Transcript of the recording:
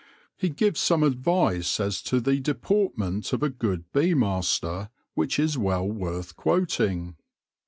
He gives some advice as to the deportment of a good bee master which is well worth quoting.